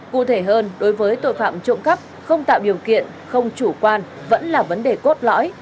cụ thể hơn đối với tội phạm trộm cắp không tạo điều kiện không chủ quan vẫn là vấn đề cốt lõi